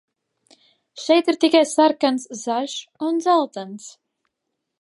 Šeit ir tikai sarkans, zaļš un dzeltens.